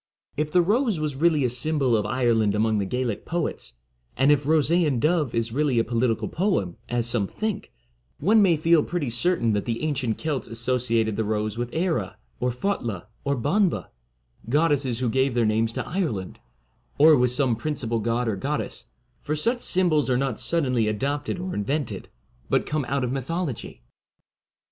If the 76 Rose was really a symbol of Ireland among the Gaelic poets, and if ' Roseen Dubh ' is really a political poem, as some think, one may feel pretty certain that the ancient Celts associated the Rose with Eire, or Fotla, or Banba — goddesses who gave their names to Ireland — or with some principal god or goddess, for such symbols are not suddenly adopted or invented, but come out of mythology.